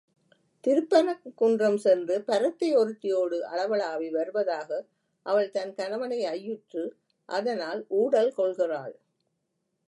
திருப்பரங்குன்றம் சென்று பரத்தை ஒருத்தியோடு அளவளாவி வருவதாக அவள் தன் கணவனை ஐயுற்று அதனால் ஊடல் கொள்கிறாள்.